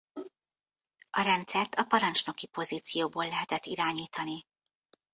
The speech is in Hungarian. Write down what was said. A rendszert a parancsnoki pozícióból lehetett irányítani.